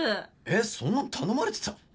えっそんなの頼まれてた？